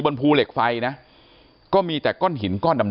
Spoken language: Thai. บนภูเหล็กไฟนะก็มีแต่ก้อนหินก้อนดำ